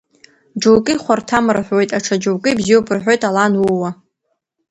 Џьоукы ихәарҭам рҳәоит, аҽа џьоукы ибзиоуп рҳәоит, ала анууа…